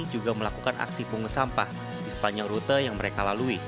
juga melakukan aksi bungus sampah di sepanjang rute yang mereka lalui